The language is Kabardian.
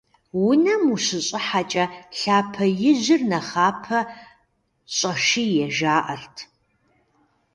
Унэм ущыщӀыхьэкӀэ лъапэ ижьыр нэхъапэ щӀэшие, жаӀэрт.